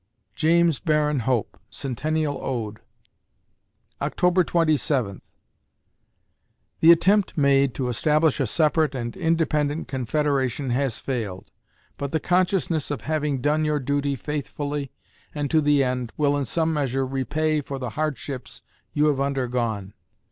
JAMES BARRON HOPE (Centennial Ode) October Twenty Seventh The attempt made to establish a separate and independent confederation has failed, but the consciousness of having done your duty faithfully and to the end will in some measure repay for the hardships you have undergone.